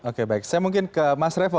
oke baik saya mungkin ke mas revo